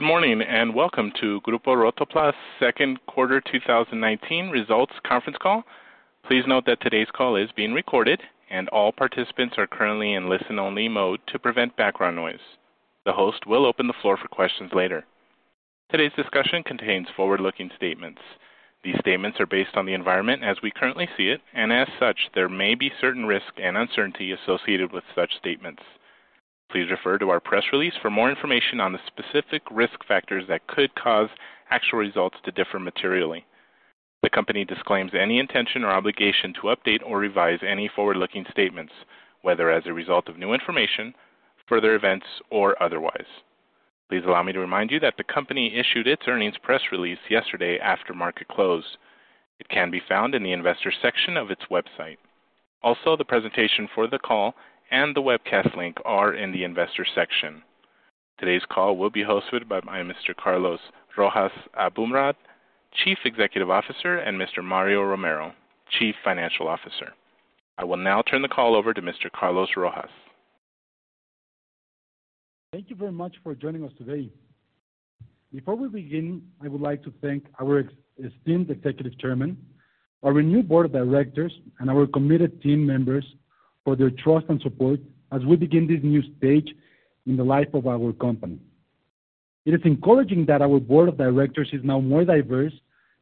Good morning, and welcome to Grupo Rotoplas second quarter 2019 results conference call. Please note that today's call is being recorded, and all participants are currently in listen-only mode to prevent background noise. The host will open the floor for questions later. Today's discussion contains forward-looking statements. These statements are based on the environment as we currently see it, and as such, there may be certain risks and uncertainty associated with such statements. Please refer to our press release for more information on the specific risk factors that could cause actual results to differ materially. The company disclaims any intention or obligation to update or revise any forward-looking statements, whether as a result of new information, further events, or otherwise. Please allow me to remind you that the company issued its earnings press release yesterday after market close. It can be found in the Investors section of its website. Also, the presentation for the call and the webcast link are in the Investors section. Today's call will be hosted by Mr. Carlos Rojas Aboumrad, Chief Executive Officer, and Mr. Mario Romero, Chief Financial Officer. I will now turn the call over to Mr. Carlos Rojas. Thank you very much for joining us today. Before we begin, I would like to thank our esteemed Executive Chairman, our renewed Board of Directors, and our committed team members for their trust and support as we begin this new stage in the life of our company. It is encouraging that our Board of Directors is now more diverse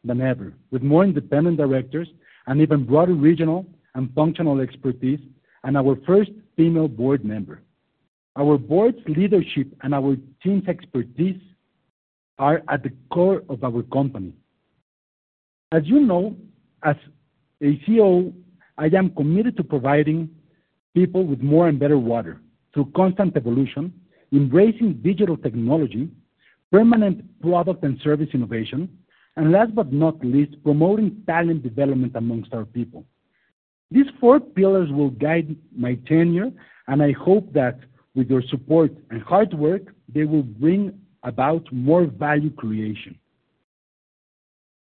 than ever, with more independent directors and even broader regional and functional expertise, and our first female board member. Our Board's leadership and our team's expertise are at the core of our company. As you know, as a CEO, I am committed to providing people with more and better water through constant evolution, embracing digital technology, permanent product and service innovation, and last but not least, promoting talent development amongst our people. These four pillars will guide my tenure, and I hope that with your support and hard work, they will bring about more value creation.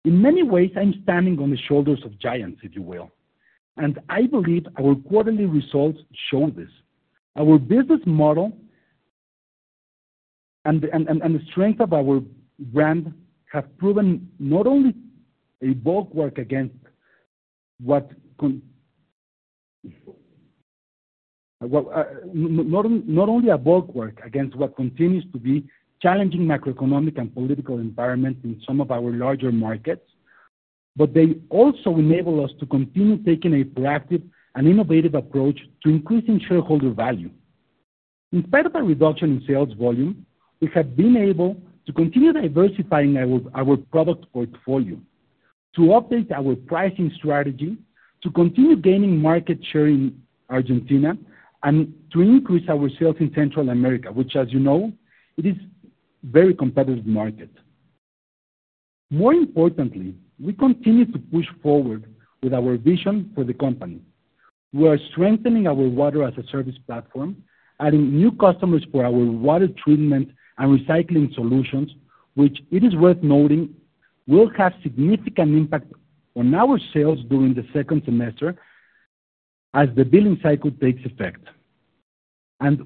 In many ways, I'm standing on the shoulders of giants, if you will, and I believe our quarterly results show this. Our business model and the strength of our brand have proven not only a bulwark against what continues to be challenging macroeconomic and political environment in some of our larger markets, but they also enable us to continue taking a proactive and innovative approach to increasing shareholder value. In spite of a reduction in sales volume, we have been able to continue diversifying our product portfolio to update our pricing strategy, to continue gaining market share in Argentina, and to increase our sales in Central America, which as you know, it is very competitive market. More importantly, we continue to push forward with our vision for the company. We are strengthening our Water as a Service platform, adding new customers for our water treatment and recycling solutions, which it is worth noting, will have significant impact on our sales during the second semester as the billing cycle takes effect.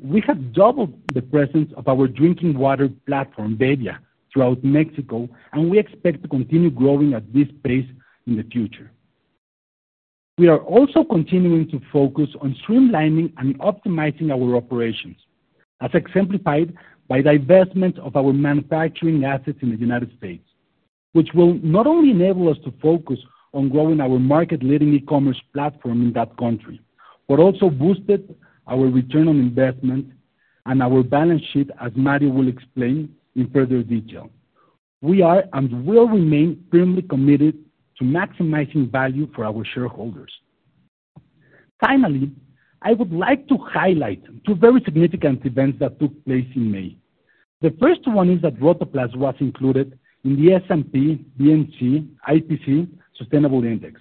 We have doubled the presence of our drinking water platform, bebbia, throughout Mexico, and we expect to continue growing at this pace in the future. We are also continuing to focus on streamlining and optimizing our operations, as exemplified by divestment of our manufacturing assets in the United States, which will not only enable us to focus on growing our market-leading e-commerce platform in that country, but also boosted our return on investment and our balance sheet, as Mario will explain in further detail. We are and will remain firmly committed to maximizing value for our shareholders. Finally, I would like to highlight two very significant events that took place in May. The first one is that Rotoplas was included in the S&P/BMV IPC Sustainable Index,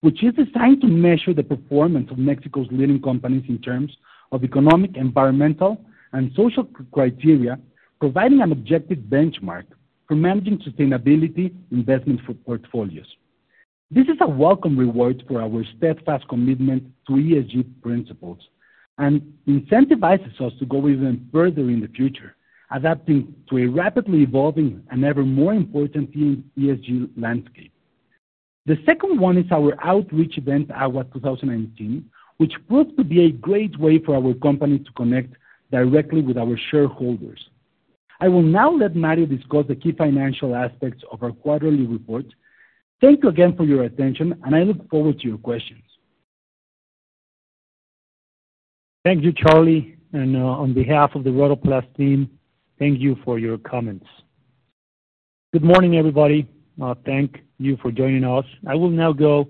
which is designed to measure the performance of Mexico's leading companies in terms of economic, environmental, and social criteria, providing an objective benchmark for managing sustainability investments for portfolios. This is a welcome reward for our steadfast commitment to ESG principles and incentivizes us to go even further in the future, adapting to a rapidly evolving and ever more important ESG landscape. The second one is our outreach event, AGUA 2019, which proved to be a great way for our company to connect directly with our shareholders. I will now let Mario discuss the key financial aspects of our quarterly report. Thank you again for your attention, and I look forward to your questions. Thank you, Charlie. On behalf of the Rotoplas team, thank you for your comments. Good morning, everybody. Thank you for joining us. I will now go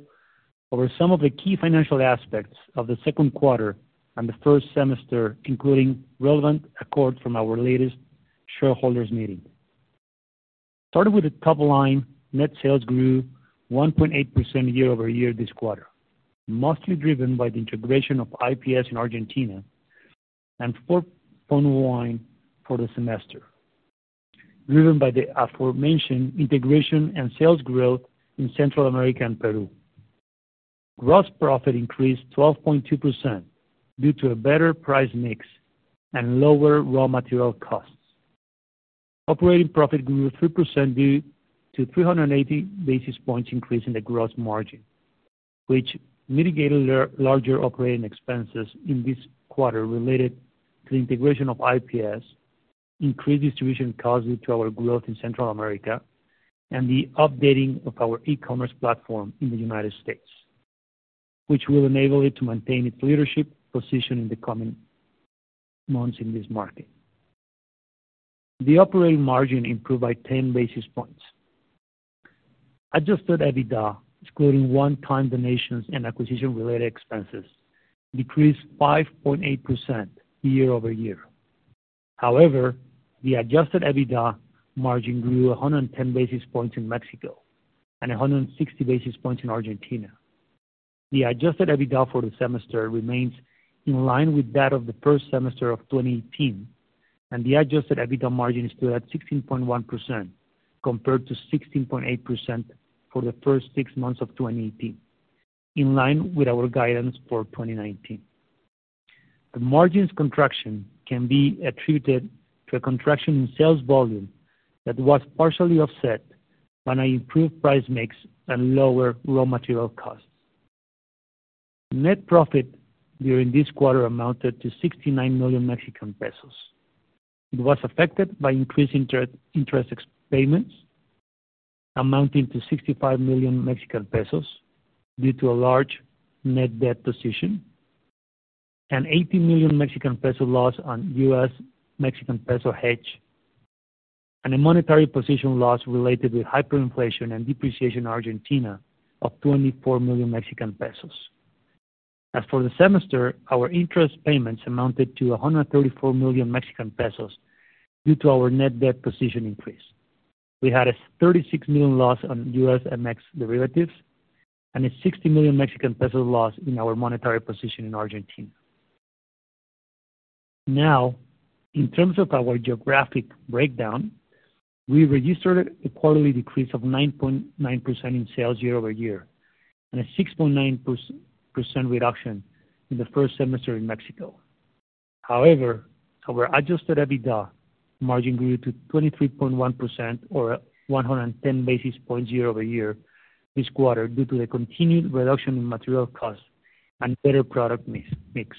over some of the key financial aspects of the second quarter and the first semester, including relevant accord from our latest Shareholders Meeting. Starting with the top line, net sales grew 1.8% year-over-year this quarter, mostly driven by the integration of IPS in Argentina and 4.1% for the semester, driven by the aforementioned integration and sales growth in Central America and Peru. Gross profit increased 12.2% due to a better price mix and lower raw material costs. Operating profit grew 3% due to 380 basis points increase in the gross margin, which mitigated larger operating expenses in this quarter related to the integration of IPS, increased distribution costs due to our growth in Central America, and the updating of our e-commerce platform in the United States, which will enable it to maintain its leadership position in the coming months in this market. The operating margin improved by 10 basis points. Adjusted EBITDA, excluding one-time donations and acquisition-related expenses, decreased 5.8% year-over-year. However, the adjusted EBITDA margin grew 110 basis points in Mexico and 160 basis points in Argentina. The adjusted EBITDA for the semester remains in line with that of the first semester of 2018. The adjusted EBITDA margin stood at 16.1% compared to 16.8% for the first six months of 2018, in line with our guidance for 2019. The margins contraction can be attributed to a contraction in sales volume that was partially offset by an improved price mix and lower raw material costs. Net profit during this quarter amounted to 69 million Mexican pesos. It was affected by increased interest payments amounting to 65 million Mexican pesos due to a large net debt position, an 18 million Mexican peso loss on U.S.-Mexican peso hedge, and a monetary position loss related with hyperinflation and depreciation in Argentina of 24 million Mexican pesos. As for the semester, our interest payments amounted to 134 million Mexican pesos due to our net debt position increase. We had a 36 million loss on US/MX derivatives and a 60 million Mexican peso loss in our monetary position in Argentina. In terms of our geographic breakdown, we registered a quarterly decrease of 9.9% in sales year-over-year, and a 6.9% reduction in the first semester in Mexico. Our adjusted EBITDA margin grew to 23.1% or 110 basis points year-over-year this quarter due to the continued reduction in material costs and better product mix.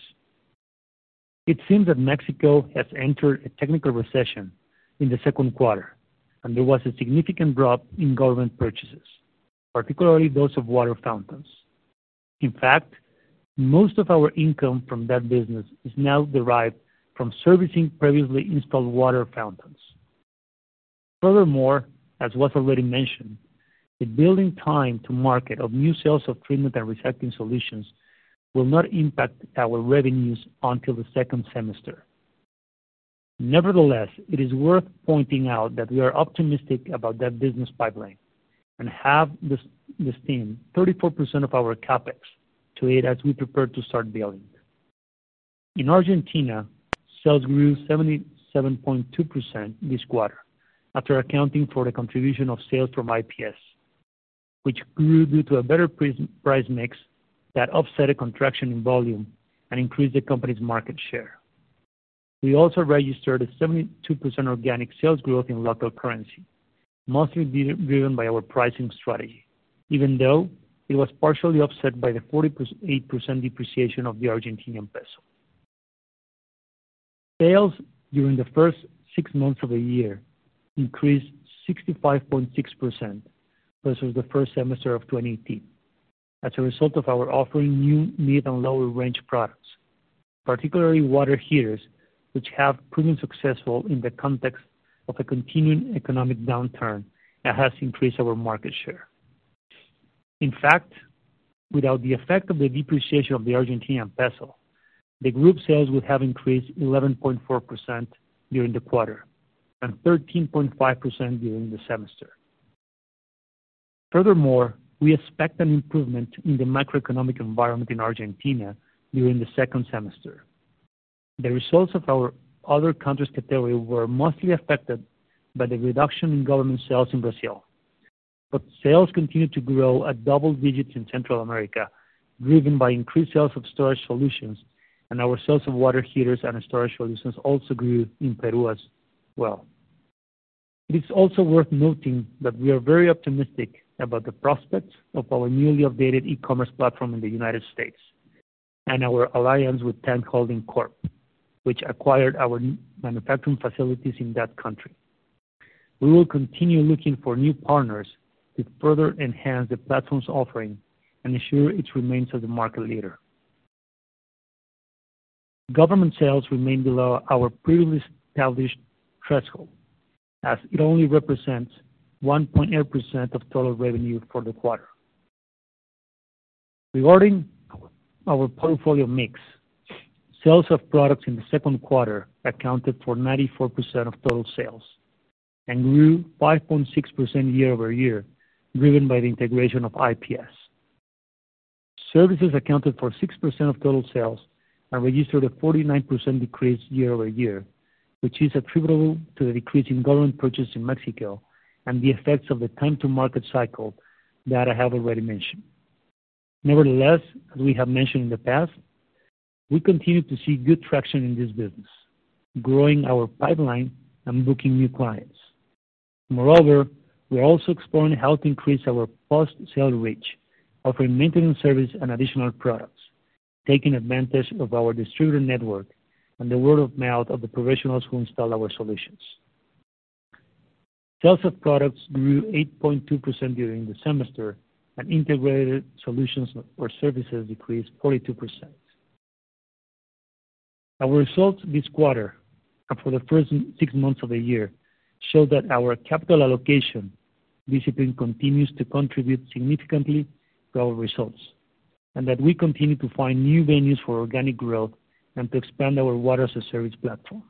It seems that Mexico has entered a technical recession in the second quarter, there was a significant drop in government purchases, particularly those of water fountains. In fact, most of our income from that business is now derived from servicing previously installed water fountains. Furthermore, as was already mentioned, the building time to market of new sales of treatment and recycling solutions will not impact our revenues until the second semester. Nevertheless, it is worth pointing out that we are optimistic about that business pipeline and have destined 34% of our CapEx to it as we prepare to start building. In Argentina, sales grew 77.2% this quarter after accounting for the contribution of sales from IPS, which grew due to a better price mix that offset a contraction in volume and increased the company's market share. We also registered a 72% organic sales growth in local currency, mostly driven by our pricing strategy, even though it was partially offset by the 48% depreciation of the Argentinian peso. Sales during the first six months of the year increased 65.6% versus the first semester of 2018 as a result of our offering new mid- and lower-range products, particularly water heaters, which have proven successful in the context of a continuing economic downturn that has increased our market share. In fact, without the effect of the depreciation of the Argentinian peso, the group sales would have increased 11.4% during the quarter and 13.5% during the semester. Furthermore, we expect an improvement in the macroeconomic environment in Argentina during the second semester. The results of our other countries category were mostly affected by the reduction in government sales in Brazil. Sales continued to grow at double digits in Central America, driven by increased sales of storage solutions, and our sales of water heaters and storage solutions also grew in Peru as well. It is also worth noting that we are very optimistic about the prospects of our newly updated e-commerce platform in the United States and our alliance with Tank Holding Corp., which acquired our manufacturing facilities in that country. We will continue looking for new partners to further enhance the platform's offering and ensure it remains as the market leader. Government sales remain below our previously established threshold, as it only represents 1.8% of total revenue for the quarter. Regarding our portfolio mix, sales of products in the second quarter accounted for 94% of total sales and grew 5.6% year-over-year, driven by the integration of IPS. Services accounted for 6% of total sales and registered a 49% decrease year-over-year, which is attributable to the decrease in government purchases in Mexico, and the effects of the time to market cycle that I have already mentioned. Nevertheless, as we have mentioned in the past, we continue to see good traction in this business, growing our pipeline and booking new clients. Moreover, we are also exploring how to increase our post-sale reach, offering maintenance service and additional products, taking advantage of our distributor network, and the word of mouth of the professionals who install our solutions. Sales of products grew 8.2% during the semester, and integrated solutions or services decreased 42%. Our results this quarter, and for the first six months of the year, show that our capital allocation discipline continues to contribute significantly to our results, and that we continue to find new venues for organic growth and to expand our Water as a Service platform.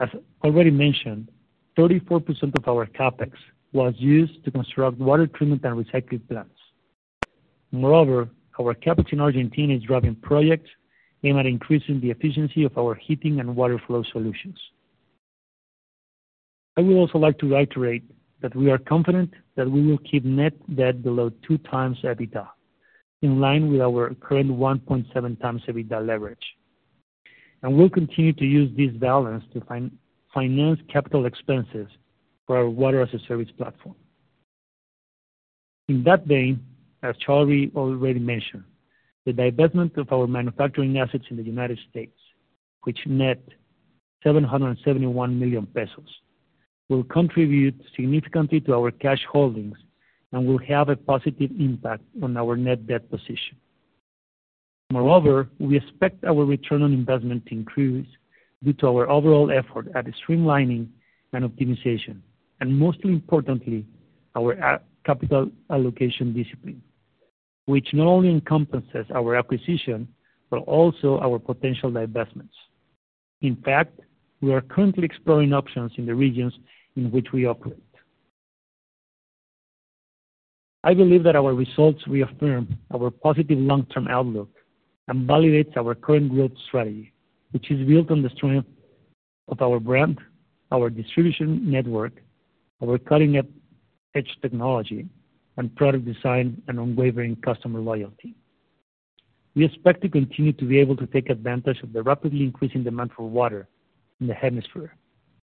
As already mentioned, 34% of our CapEx was used to construct water treatment and recycling plants. Moreover, our capital in Argentina is driving projects aimed at increasing the efficiency of our heating and water flow solutions. I would also like to reiterate that we are confident that we will keep net debt below 2x EBITDA, in line with our current 1.7x EBITDA leverage. We'll continue to use this balance to finance CapEx for our Water as a Service platform. In that vein, as Charlie already mentioned, the divestment of our manufacturing assets in the U.S., which net 771 million pesos, will contribute significantly to our cash holdings and will have a positive impact on our net debt position. Moreover, we expect our return on investment to increase due to our overall effort at streamlining and optimization, and most importantly, our capital allocation discipline, which not only encompasses our acquisition, but also our potential divestments. In fact, we are currently exploring options in the regions in which we operate. I believe that our results reaffirm our positive long-term outlook and validates our current growth strategy, which is built on the strength of our brand, our distribution network, our cutting-edge technology, and product design and unwavering customer loyalty. We expect to continue to be able to take advantage of the rapidly increasing demand for water in the hemisphere,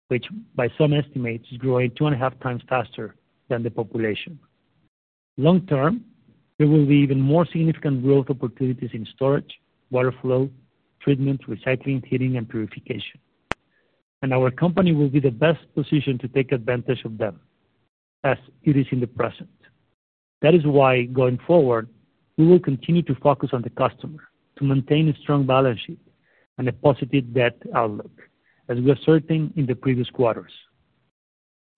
which by some estimates, is growing 2.5x Faster than the population. Long term, there will be even more significant growth opportunities in storage, water flow, treatment, recycling, heating, and purification. Our company will be the best position to take advantage of them, as it is in the present. That is why, going forward, we will continue to focus on the customer to maintain a strong balance sheet and a positive debt outlook, as we have asserted in the previous quarters.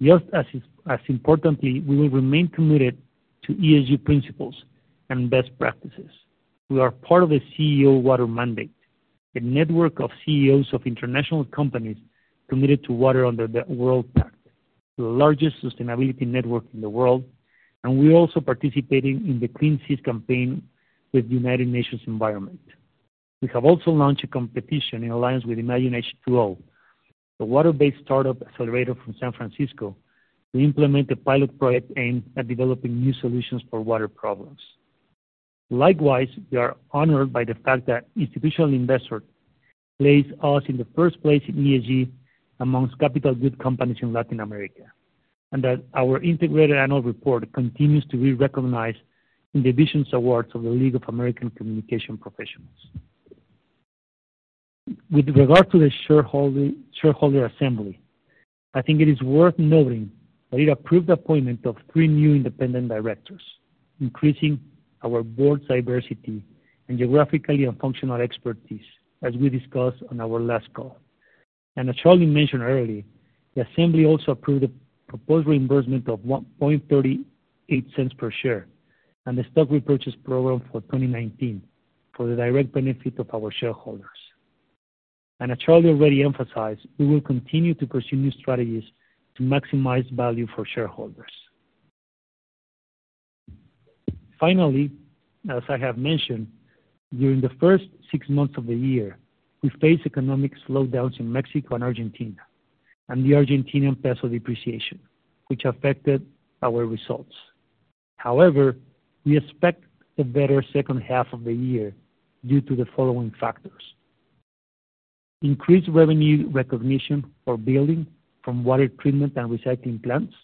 Just as importantly, we will remain committed to ESG principles and best practices. We are part of the CEO Water Mandate, a network of CEOs of international companies committed to water under the Global Compact, the largest sustainability network in the world. We're also participating in the Clean Seas campaign with United Nations Environment. We have also launched a competition in alliance with Imagine H2O, the water-based startup accelerator from San Francisco, to implement a pilot project aimed at developing new solutions for water problems. Likewise, we are honored by the fact that Institutional Investor placed us in the first place in ESG amongst capital good companies in Latin America, and that our integrated annual report continues to be recognized in the Vision Awards of the League of American Communications Professionals. With regard to the shareholder assembly, I think it is worth noting that it approved the appointment of three new independent directors, increasing our board's diversity and geographically and functional expertise, as we discussed on our last call. As Charlie mentioned earlier, the assembly also approved a proposed reimbursement of 0.38 per share and the stock repurchase program for 2019 for the direct benefit of our shareholders. As Charlie already emphasized, we will continue to pursue new strategies to maximize value for shareholders. Finally, as I have mentioned, during the first six months of the year, we faced economic slowdowns in Mexico and Argentina, and the Argentinian peso depreciation, which affected our results. We expect a better second half of the year due to the following factors. Increased revenue recognition for billing from water treatment and recycling plants.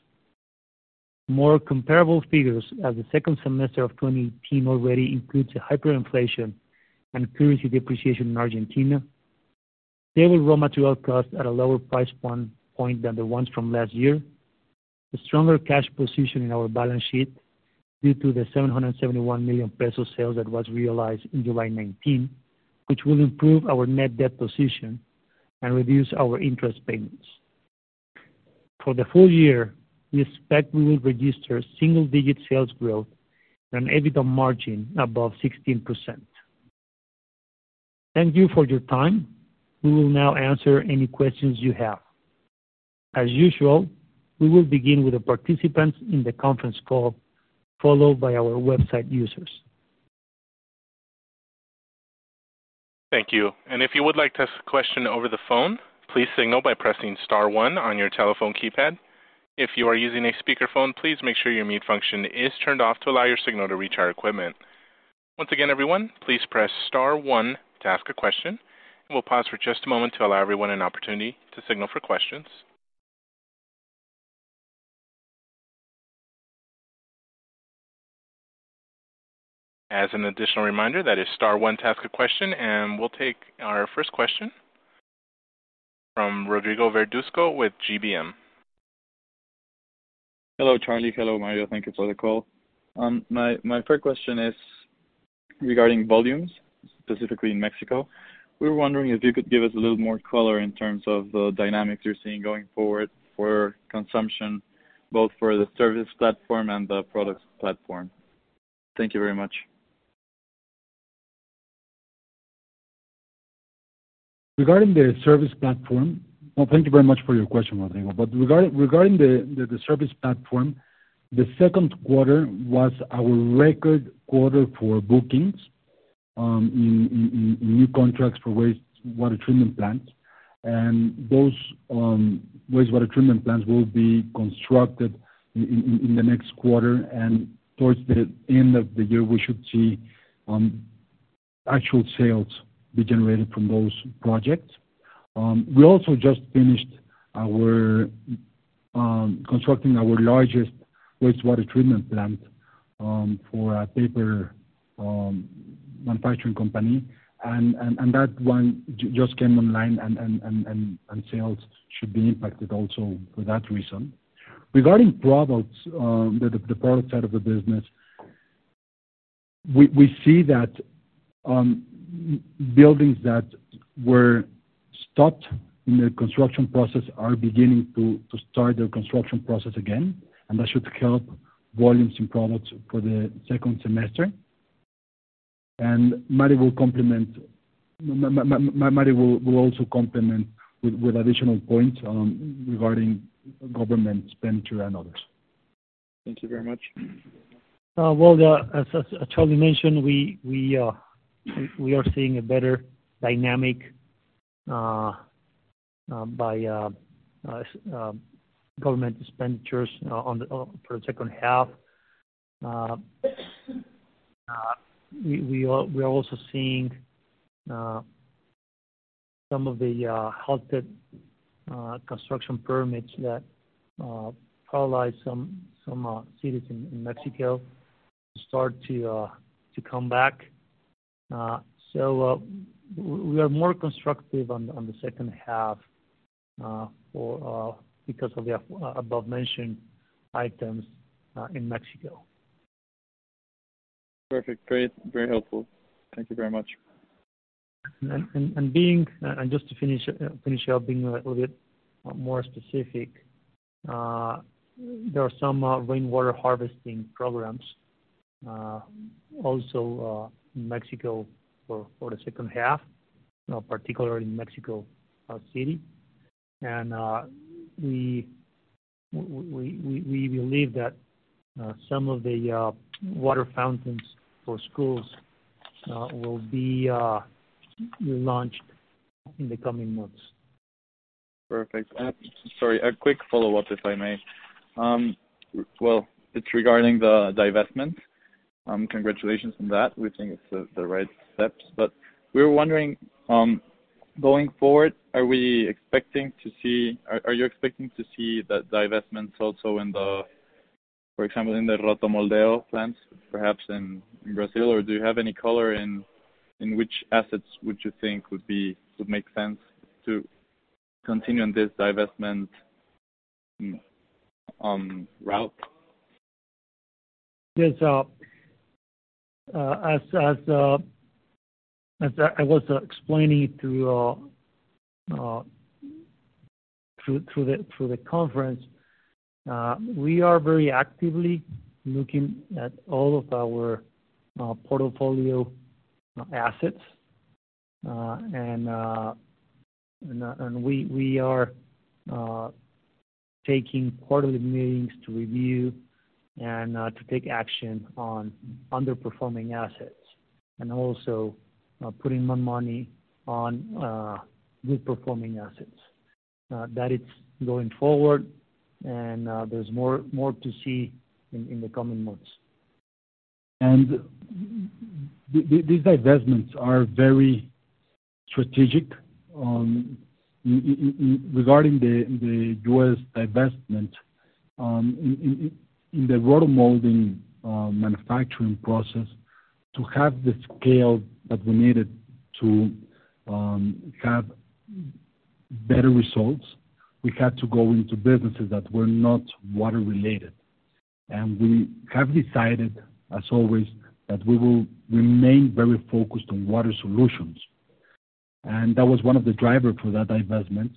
More comparable figures as the second semester of 2018 already includes the hyperinflation and currency depreciation in Argentina. Stable raw material cost at a lower price point than the ones from last year. A stronger cash position in our balance sheet due to the 771 million peso sale that was realized in July 2019, which will improve our net debt position and reduce our interest payments. For the full year, we expect we will register single-digit sales growth and an EBITDA margin above 16%. Thank you for your time. We will now answer any questions you have. As usual, we will begin with the participants in the conference call, followed by our website users. Thank you. If you would like to ask a question over the phone, please signal by pressing star one on your telephone keypad. If you are using a speakerphone, please make sure your mute function is turned off to allow your signal to reach our equipment. Once again, everyone, please press star one to ask a question. We'll pause for just a moment to allow everyone an opportunity to signal for questions. As an additional reminder, that is star one to ask a question. We'll take our first question from Rodrigo Verduzco with GBM. Hello, Charlie. Hello, Mario. Thank you for the call. My first question is regarding volumes, specifically in Mexico. We were wondering if you could give us a little more color in terms of the dynamics you're seeing going forward for consumption, both for the service platform and the products platform. Thank you very much. Well, thank you very much for your question, Rodrigo, but regarding the service platform, the second quarter was our record quarter for bookings, in new contracts for wastewater treatment plants. Those wastewater treatment plants will be constructed in the next quarter. Towards the end of the year, we should see actual sales be generated from those projects. We also just finished constructing our largest wastewater treatment plant for a paper manufacturing company. That one just came online, and sales should be impacted also for that reason. Regarding products, the product side of the business, we see that buildings that were stopped in the construction process are beginning to start their construction process again, and that should help volumes in products for the second semester. Mario will also complement with additional points regarding government expenditure and others. Thank you very much. Well, as Charlie mentioned, we are seeing a better dynamic by government expenditures for the second half. We are also seeing some of the halted construction permits that paralyzed some cities in Mexico start to come back. We are more constructive on the second half because of the above-mentioned items in Mexico. Perfect. Great. Very helpful. Thank you very much. Just to finish up, being a little bit more specific, there are some rainwater harvesting programs also in Mexico for the second half, particularly in Mexico City. We believe that some of the water fountains for schools will be relaunched in the coming months. Perfect. Sorry, a quick follow-up, if I may. Well, it's regarding the divestment. Congratulations on that. We think it's the right steps. We were wondering, going forward, are you expecting to see the divestments also, for example, in the rotomoldeo plants perhaps in Brazil? Do you have any color in which assets would you think would make sense to continue on this divestment route? Yes. As I was explaining through the conference, we are very actively looking at all of our portfolio assets. We are taking quarterly meetings to review and to take action on underperforming assets. Also putting more money on good-performing assets. That is going forward, and there's more to see in the coming months. These divestments are very strategic. Regarding the U.S. divestment, in the rotomolding manufacturing process, to have the scale that we needed to have better results, we had to go into businesses that were not water-related. We have decided, as always, that we will remain very focused on water solutions. That was one of the drivers for that divestment,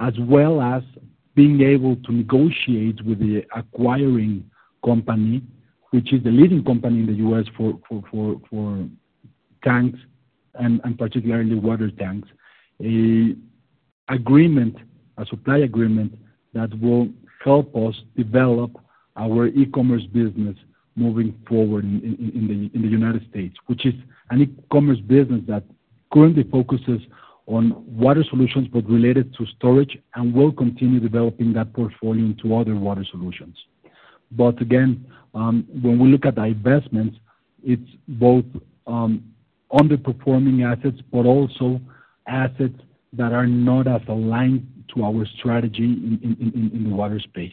as well as being able to negotiate with the acquiring company, which is the leading company in the U.S. for tanks, and particularly water tanks, a supply agreement that will help us develop our e-commerce business moving forward in the United States, which is an e-commerce business that currently focuses on water solutions, but related to storage, and will continue developing that portfolio into other water solutions. Again, when we look at divestments, it's both underperforming assets, but also assets that are not as aligned to our strategy in the water space.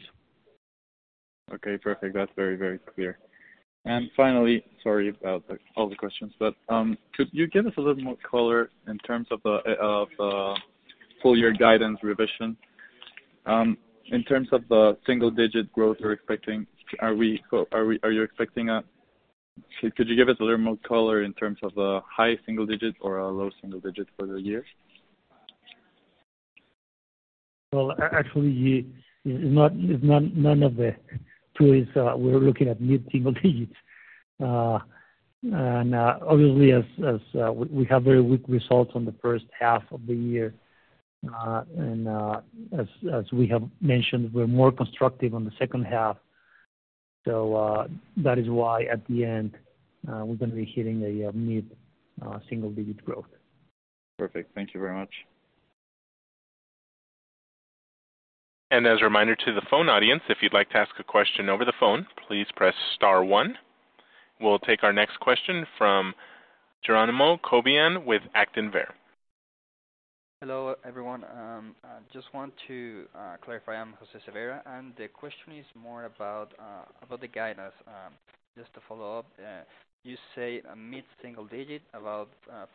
Okay, perfect. That's very clear. Finally, sorry about all the questions, could you give us a little more color in terms of the full-year guidance revision? In terms of the single-digit growth you're expecting, could you give us a little more color in terms of high single digit or a low single digit for the year? Well, actually, it's none of the two. We're looking at mid-single digits. Obviously, as we have very weak results on the first half of the year. As we have mentioned, we're more constructive on the second half. That is why at the end, we're going to be hitting a mid-single digit growth. Perfect. Thank you very much. As a reminder to the phone audience, if you'd like to ask a question over the phone, please press star one. We'll take our next question from Jerónimo Cobián with Actinver. Hello, everyone. I just want to clarify, I'm José Cebeira. The question is more about the guidance. Just to follow up, you say mid-single digit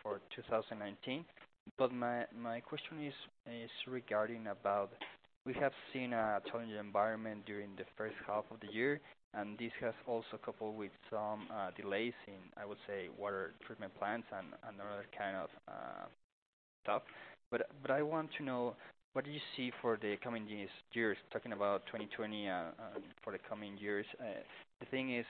for 2019. My question is regarding about. We have seen a challenging environment during the first half of the year. This has also coupled with some delays in, I would say, water treatment plants and other kind of stuff. I want to know, what do you see for the coming years, talking about 2020 and for the coming years? The thing is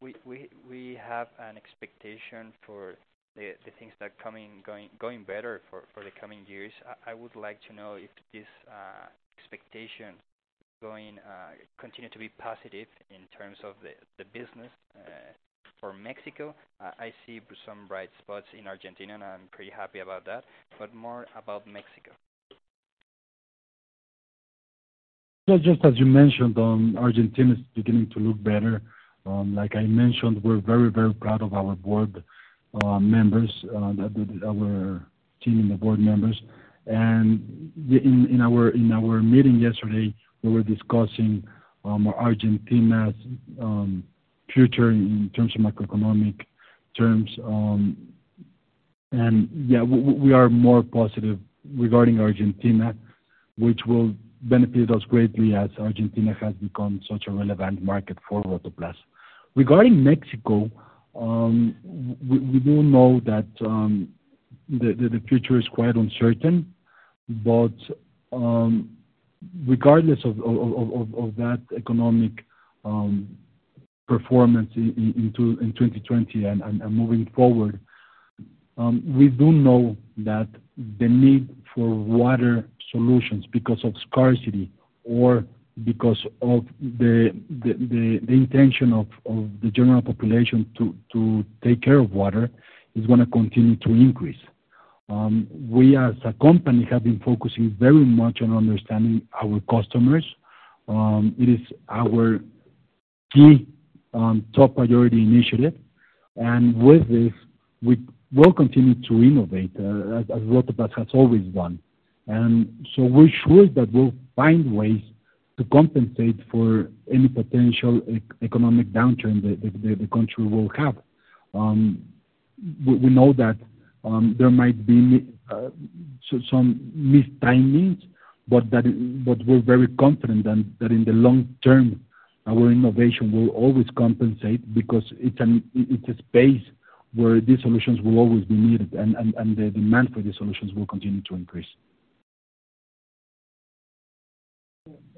we have an expectation for the things that are going better for the coming years. I would like to know if this expectation continue to be positive in terms of the business for Mexico. I see some bright spots in Argentina. I'm pretty happy about that, more about Mexico. Just as you mentioned, Argentina is beginning to look better. Like I mentioned, we're very proud of our board members, our team and the board members. In our meeting yesterday, we were discussing Argentina's future in terms of macroeconomic terms. Yeah, we are more positive regarding Argentina, which will benefit us greatly as Argentina has become such a relevant market for Rotoplas. Regarding Mexico, we do know that the future is quite uncertain. Regardless of that economic performance in 2020 and moving forward, we do know that the need for water solutions because of scarcity or because of the intention of the general population to take care of water, is going to continue to increase. We, as a company, have been focusing very much on understanding our customers. It is our key top priority initiative. With this, we will continue to innovate, as Rotoplas has always done. We're sure that we'll find ways to compensate for any potential economic downturn that the country will have. We know that there might be some missed timings, but we're very confident that in the long term, our innovation will always compensate because it's a space where these solutions will always be needed, and the demand for these solutions will continue to increase.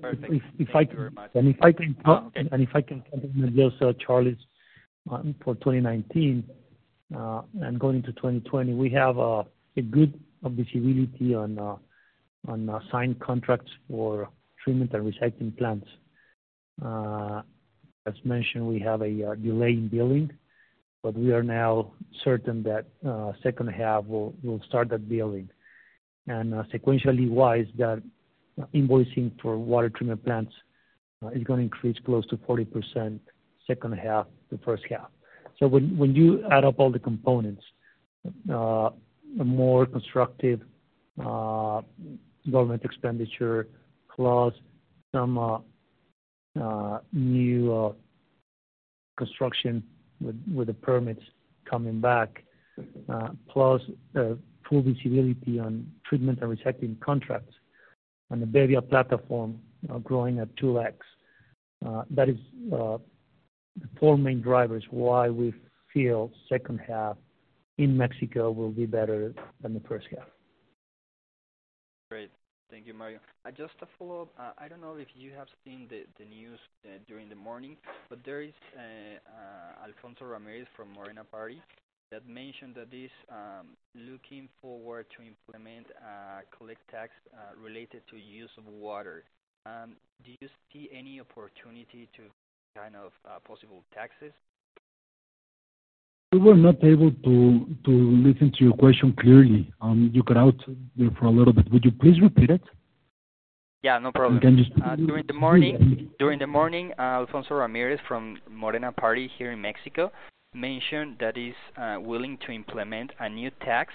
Perfect. Thank you very much. If I can complement also Charles for 2019, going into 2020, we have a good visibility on signed contracts for treatment and recycling plants. As mentioned, we have a delay in billing, but we are now certain that second half will start that billing. Sequentially wise, that invoicing for water treatment plants is going to increase close to 40% second half to first half. When you add up all the components, a more constructive government expenditure clause, some new construction with the permits coming back, plus full visibility on treatment and recycling contracts on the bebbia platform growing at 2x, that is the four main drivers why we feel second half in Mexico will be better than the first half. Great. Thank you, Mario. Just a follow-up. I don't know if you have seen the news during the morning. There is Alfonso Ramírez from Morena party that mentioned that he is looking forward to implement a collect tax related to use of water. Do you see any opportunity to possible taxes? We were not able to listen to your question clearly. You cut out there for a little bit. Would you please repeat it? Yeah, no problem. Can you- During the morning, Alfonso Ramírez from Morena party here in Mexico mentioned that he's willing to implement a new tax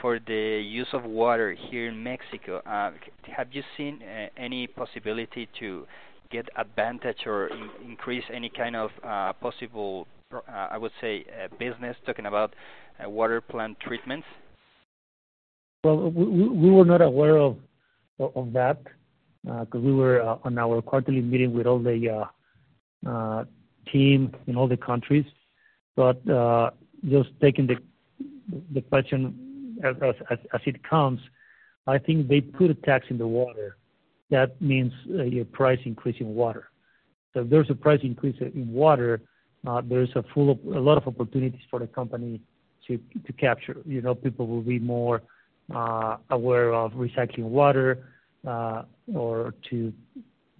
for the use of water here in Mexico. Have you seen any possibility to get advantage or increase any kind of possible, I would say, business talking about water plant treatments? Well, we were not aware of that, because we were on our quarterly meeting with all the team in all the countries. Just taking the question as it comes, I think they put a tax in the water. That means a price increase in water. If there's a price increase in water, there is a lot of opportunities for the company to capture. People will be more aware of recycling water, or to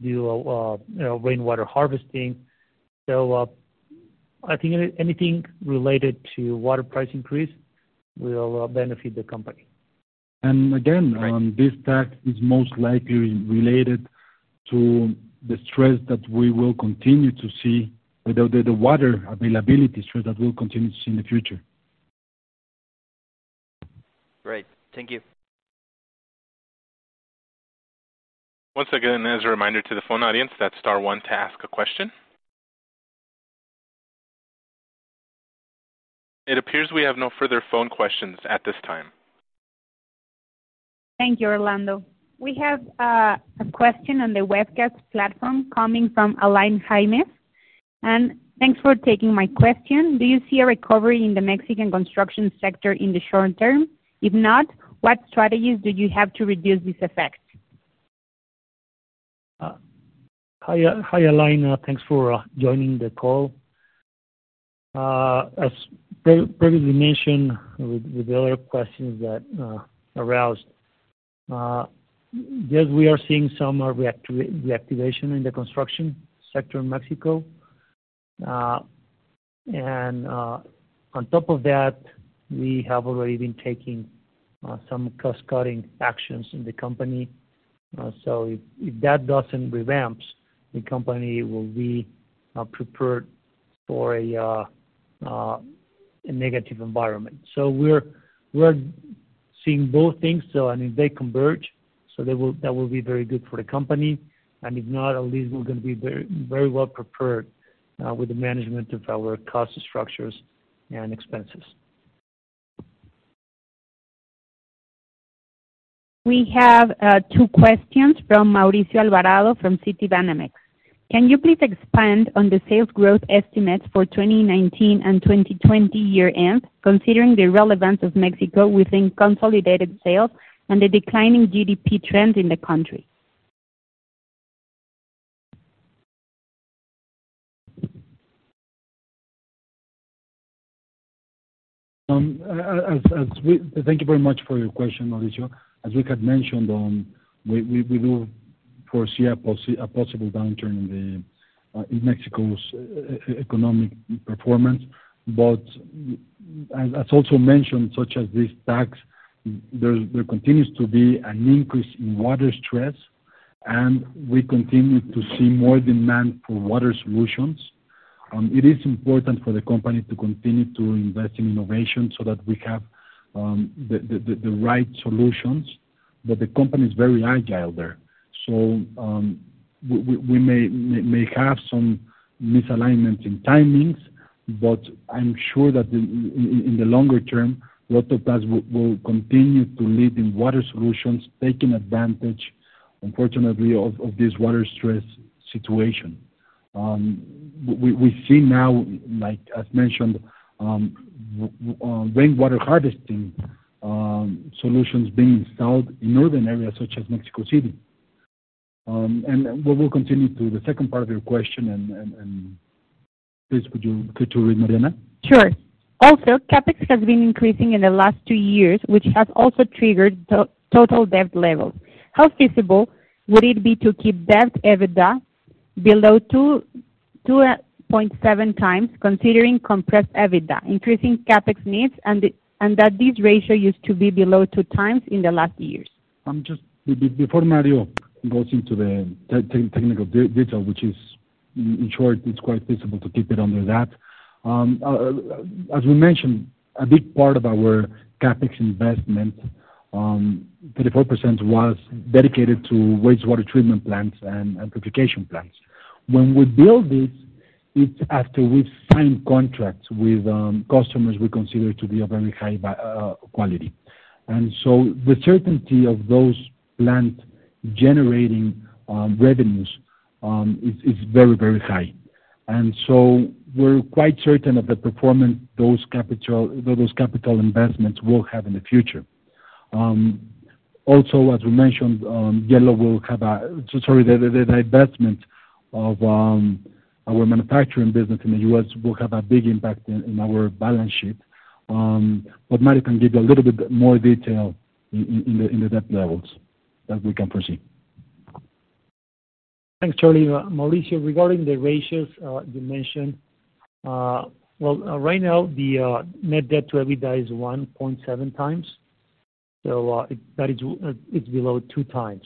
do rainwater harvesting. I think anything related to water price increase will benefit the company. And again- Right This tax is most likely related to the stress that we will continue to see. The water availability stress that we'll continue to see in the future. Great. Thank you. Once again, as a reminder to the phone audience, that's star one to ask a question. It appears we have no further phone questions at this time. Thank you, Orlando. We have a question on the webcast platform coming from Alain Jaime. Thanks for taking my question. Do you see a recovery in the Mexican construction sector in the short term? If not, what strategies do you have to reduce this effect? Hi, Alain. Thanks for joining the call. As previously mentioned, with the other questions that aroused. Yes, we are seeing some reactivation in the construction sector in Mexico. On top of that, we have already been taking some cost-cutting actions in the company. If that doesn't revamps, the company will be prepared for a negative environment. We're seeing both things. If they converge, that will be very good for the company. If not, at least we're going to be very well prepared, with the management of our cost structures and expenses. We have two questions from Mauricio Alvarado from Citibanamex. Can you please expand on the sales growth estimates for 2019 and 2020 year end, considering the relevance of Mexico within consolidated sales and the declining GDP trends in the country? Thank you very much for your question, Mauricio. As we had mentioned, we do foresee a possible downturn in Mexico's economic performance. As also mentioned, such as this tax, there continues to be an increase in water stress, and we continue to see more demand for water solutions. It is important for the company to continue to invest in innovation so that we have the right solutions. The company is very agile there. We may have some misalignment in timings, but I'm sure that in the longer term, Rotoplas will continue to lead in water solutions, taking advantage, unfortunately, of this water stress situation. We see now, as mentioned, rainwater harvesting solutions being installed in northern areas such as Mexico City. We will continue to the second part of your question and please, could you read, Mariana? Sure. Also, CapEx has been increasing in the last two years, which has also triggered total debt levels. How feasible would it be to keep debt EBITDA below 2.7x, considering compressed EBITDA, increasing CapEx needs, and that this ratio used to be below 2x in the last years? Before Mario goes into the technical detail, which is, in short, it's quite feasible to keep it under that. As we mentioned, a big part of our CapEx investment, 34%, was dedicated to wastewater treatment plants and amplification plants. When we build it's after we've signed contracts with customers we consider to be of very high quality. The certainty of those plants generating revenues is very high. We're quite certain of the performance those capital investments will have in the future. Also, as we mentioned, the divestment of our manufacturing business in the U.S. will have a big impact in our balance sheet. Mario can give you a little bit more detail in the debt levels that we can foresee. Thanks, Charlie. Mauricio, regarding the ratios you mentioned. Well, right now, the net debt to EBITDA is 1.7x. That is below 2x.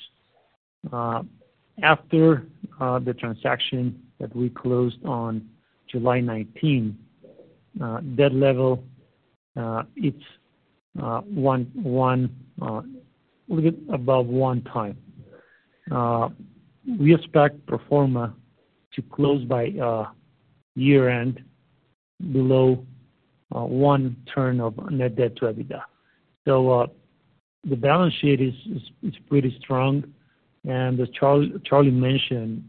After the transaction that we closed on July 19, debt level, it's above 1x. We expect pro forma to close by year-end below one turn of net debt to EBITDA. The balance sheet is pretty strong, and as Charlie mentioned,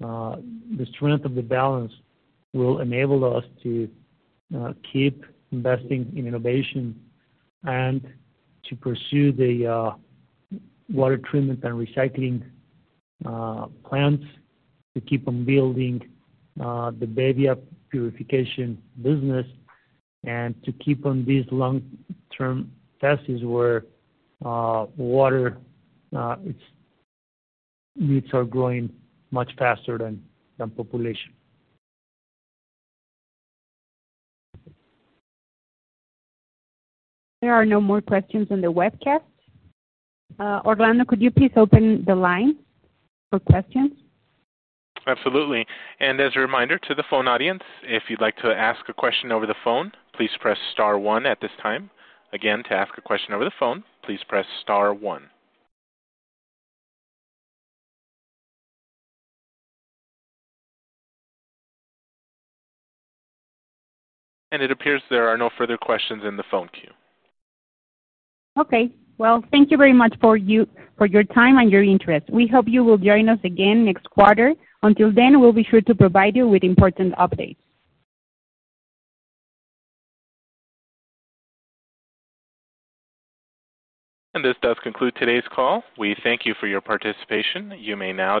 the strength of the balance will enable us to keep investing in innovation and to pursue the water treatment and recycling plants, to keep on building the bebbia purification business, and to keep on these long-term tests where water needs are growing much faster than population. There are no more questions on the webcast. Orlando, could you please open the line for questions? Absolutely. As a reminder to the phone audience, if you'd like to ask a question over the phone, please press star one at this time. Again, to ask a question over the phone, please press star one. It appears there are no further questions in the phone queue. Okay. Well, thank you very much for your time and your interest. We hope you will join us again next quarter. Until then, we'll be sure to provide you with important updates. This does conclude today's call. We thank you for your participation. You may now disconnect.